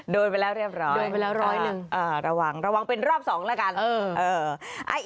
โดนไปแล้วเรียบร้อยระวังเป็นรอบสองแล้วกันโอ้โฮ